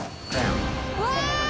うわ！